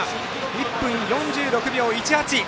１分４６秒１８。